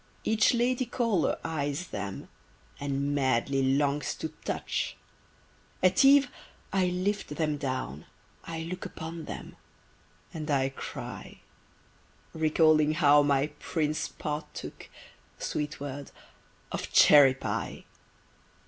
Each lady caller eyes them, And madly longs to touch! At eve I lift them down, I look Upon them, and I cry; Recalling how my Prince 'partook' (Sweet word!) of cherry pie!